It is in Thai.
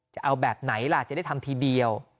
จะเอาแบบไหนล่ะจะได้ทำทีเดียว